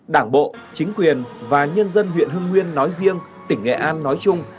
đảng bộ chính quyền và nhân dân huyện hưng nguyên nói riêng tỉnh nghệ an nói chung